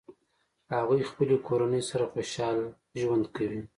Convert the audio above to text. هغوی خپلې کورنۍ سره خوشحال ژوند کوي